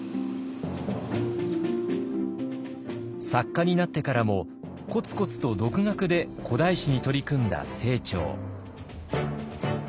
作家になってからもコツコツと独学で古代史に取り組んだ清張。